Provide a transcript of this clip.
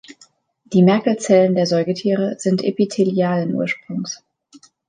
Die Merkel-Zellen der Säugetiere sind epithelialen Ursprungs.